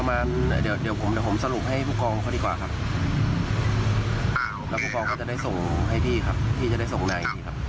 แล้วผู้กองเขาจะได้ส่งให้พี่ครับพี่จะได้ส่งใน